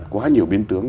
quá nhiều biến tướng